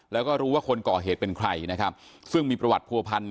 แล้วก็รู้ว่าคนก่อเหตุเป็นใครนะครับซึ่งมีประวัติผัวพันธ